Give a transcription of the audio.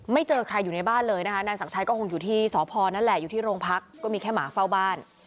เจอใครอยู่ในบ้านเลยนะคะนายศักดิ์ชัยก็คงอยู่ที่สพนั่นแหละอยู่ที่โรงพักก็มีแค่หมาเฝ้าบ้าน